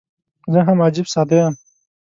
زه هم عجيب ساده یم.